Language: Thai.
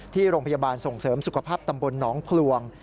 ที่โรงพยาบาลส่งเสริมสุขภาพตำบลหนองพลวง